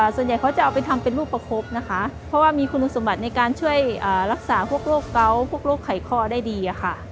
ส่วนใหญ่เขาจะเอาไปทำเป็นลูกประคบนะคะเพราะว่ามีคุณสมบัติในการช่วยรักษาพวกโรคเกาะพวกโรคไขคอได้ดีค่ะ